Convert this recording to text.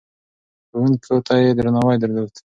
ښوونکو ته يې درناوی درلود.